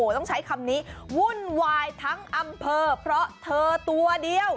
ต้องใช้คำนี้วุ่นวายทั้งอำเภอเพราะเธอตัวเดียว